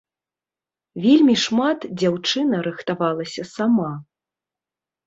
Вельмі шмат дзяўчына рыхтавалася сама.